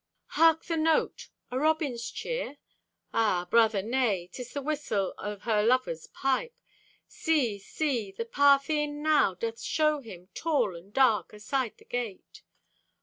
Hark, the note! A robin's cheer? Ah, Brother, nay. 'Tis the whistle o' her lover's pipe. See, see, the path e'en now Doth show him, tall and dark, aside the gate.